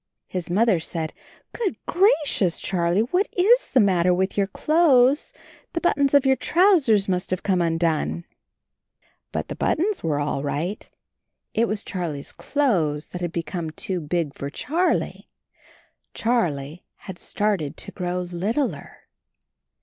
His Mother said, "Good gracious, Charlie! What is the matter with your clothes? The buttons of your trousers must have come undone." AND HIS KITTEN TOPSY 81 But the buttons were all right. It was Charlie's clothes that had become too big for Charlie. Charlie had started to grow littler.